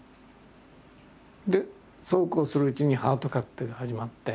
でそうこうするうちに「ハートカクテル」が始まって。